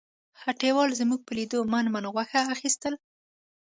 هټیوال زموږ په لیدو من من غوښه اخیستل.